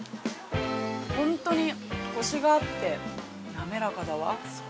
本当にコシがあって、滑らかだわ。